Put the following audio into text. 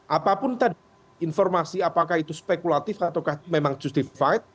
apapun tadi informasi apakah itu spekulatif ataukah memang justif